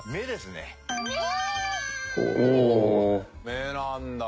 目なんだ。